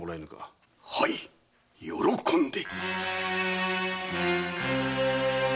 はい喜んで！